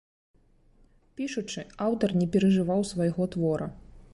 Пішучы, аўтар не перажываў свайго твора.